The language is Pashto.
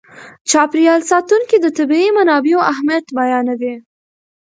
چاپېر یال ساتونکي د طبیعي منابعو اهمیت بیانوي.